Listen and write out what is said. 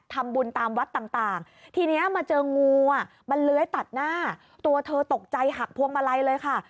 ทำบุญตามวัดต่างทีนี้มาเจองูอ่ะมันเลื้อยตัดหน้าตัวเธอตกใจหักพวงมาลัยเลยค่ะ